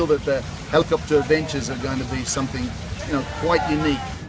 dan kami merasa bahwa adventure helikopter akan menjadi sesuatu yang unik